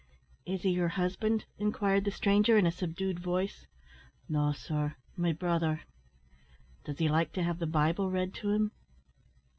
"Is he your husband?" inquired the stranger, in a subdued voice. "No, sir, my brother." "Does he like to have the Bible read to him?"